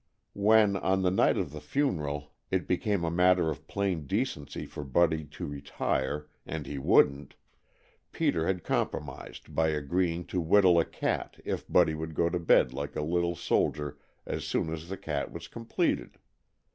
When, on the night of the funeral, it became a matter of plain decency for Buddy to retire, and he wouldn't, Peter had compromised by agreeing to whittle a cat if Buddy would go to bed like a little soldier as soon as the cat was completed.